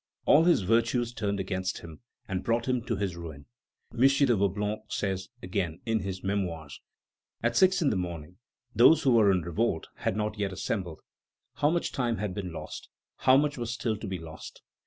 All his virtues turned against him and brought him to his ruin." M. de Vaublanc says again in his Memoirs: "At six in the morning those who were in revolt had not yet assembled. How much time had been lost, how much was still to be lost!